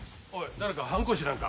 誰かハンコ知らんか？